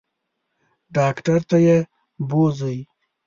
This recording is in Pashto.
ډاکټر ته یې بوزئ.